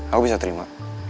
aku bisa terima